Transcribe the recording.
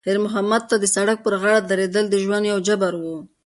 خیر محمد ته د سړک پر غاړه درېدل د ژوند یو جبر و.